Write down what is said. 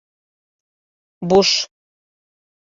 Буш